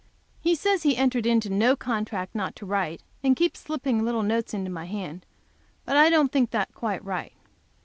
He says he entered into no contract not to write, and keeps slipping little notes into my hand; but I don't think that quite right.